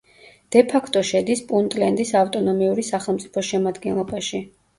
დე-ფაქტო შედის პუნტლენდის ავტონომიური სახელმწიფოს შემადგენლობაში.